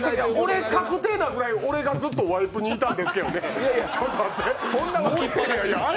俺、確定なぐらい俺がずっとワイプにいたんですけどね。